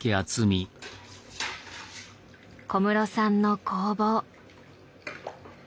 小室さんの工房。